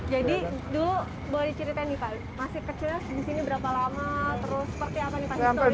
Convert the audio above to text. jadi dulu boleh diceritain nih pak masih kecilnya di sini berapa lama terus seperti apa nih pak historinya